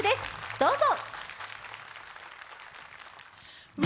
どうぞ！